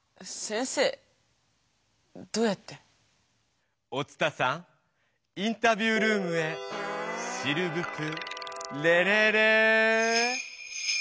どうやって⁉お伝さんインタビュールームへシルブプレレレー！